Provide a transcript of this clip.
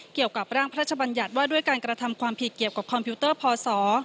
เกี่ยวกับร่างพระราชบัญญัติว่าด้วยการกระทำความผิดเกี่ยวกับคอมพิวเตอร์พศ